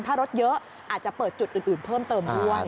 ถ้ารถเยอะอาจจะเปิดจุดอื่นเพิ่มเติมด้วย